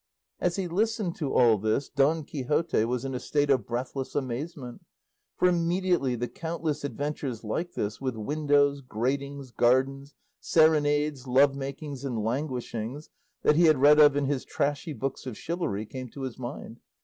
As he listened to all this Don Quixote was in a state of breathless amazement, for immediately the countless adventures like this, with windows, gratings, gardens, serenades, lovemakings, and languishings, that he had read of in his trashy books of chivalry, came to his mind.